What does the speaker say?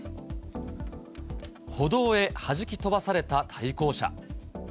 歩道へはじき飛ばされた対向車。